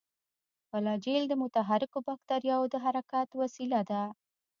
فلاجیل د متحرکو باکتریاوو د حرکت وسیله ده.